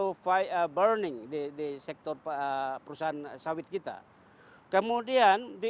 mengadaptan zero fire burning di sektor perusahaan sawit kita kemudian di